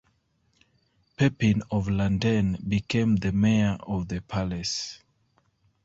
Pepin of Landen, became the Mayor of the Palace.